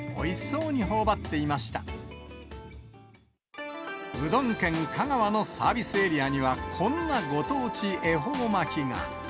うどん県、香川のサービスエリアには、こんなご当地恵方巻が。